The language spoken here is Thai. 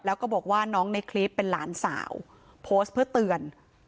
แล้วก็บอกว่าน้องในคลิปเป็นหลานสาวโพสต์เพื่อเตือน